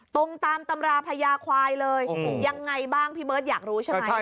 ตรงตามตำราพญาควายเลยยังไงบ้างพี่เบิร์ตอยากรู้ใช่ไหม